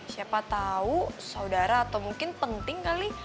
siapa tahu saudara atau mungkin penting kali